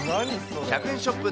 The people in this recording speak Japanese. １００円ショップ